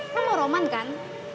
lo mau roman kan